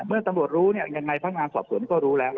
เมื่อตำรวจรู้ยังไงท่านงามสอบส่วนก็รู้แล้ว